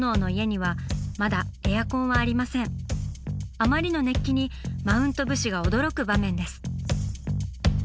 あまりの熱気にマウント武士が驚く場面です。